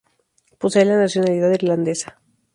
Posee la nacionalidad irlandesa.